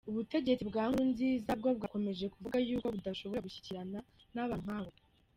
Ubutegetsi bwa Nkurunziza bwo bwakomeje kuvuga yuko budashobora gushyikirana n’abantu nk’abo.